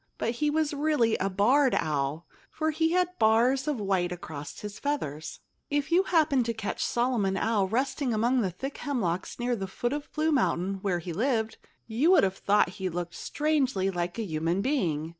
But he was really a barred owl, for he had bars of white across his feathers. If you had happened to catch Solomon Owl resting among the thick hemlocks near the foot of Blue Mountain, where he lived, you would have thought that he looked strangely like a human being.